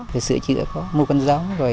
rồi sửa chữa mua con giống